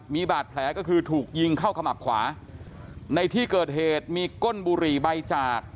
มีบาดแผลก็คือถูกยิงเข้าขมับขวาในที่เกิดเหตุมีก้นบุหรี่ใบจาก